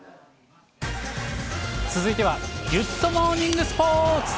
続いては、ギュッとモーニングスポーツ。